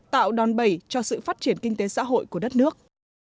tạo đòn bẩy cho sự phát triển kinh tế xã hội của đất nước